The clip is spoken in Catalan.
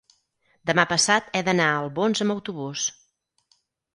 demà passat he d'anar a Albons amb autobús.